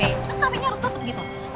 terus tapi harus tutup gitu